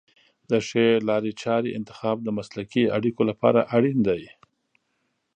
د ښې لارې چارې انتخاب د مسلکي اړیکو لپاره اړین دی.